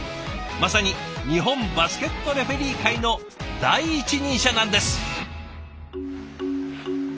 まさに日本バスケットレフェリー界の第一人者なんです。